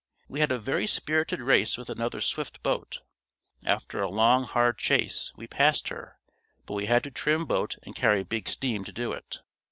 We had a very spirited race with another swift boat; after a long, hard chase we passed her, but we had to trim boat and carry big steam to do it.